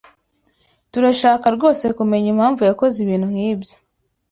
Turashaka rwose kumenya impamvu yakoze ibintu nkibyo.